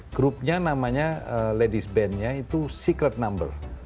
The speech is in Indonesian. grupnya namanya ladies bandnya itu secret number